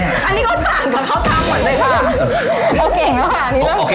อันนี้ก็ต่างกับเขาทำหมดเลยค่ะ